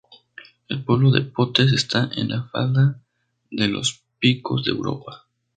El pueblo de Potes está en la falda de los Picos de Europa